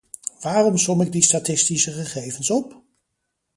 Waarom som ik die statistische gegevens op?